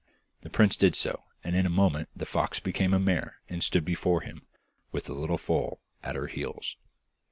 The prince did so, and in a moment the fox became a mare and stood before him, with the little foal at her heels.